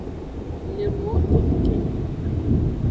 Le nuwo kengkeng me.